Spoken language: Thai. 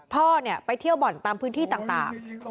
พ่อไปเที่ยวบ่อนตามพื้นที่ต่าง